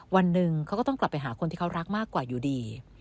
วันหนึ่งเขาก็ต้องกลับไปหาคนที่เขารักมากกว่าอยู่ดี